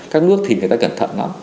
các nước thì người ta cẩn thận lắm